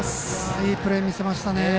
いいプレー見せましたね。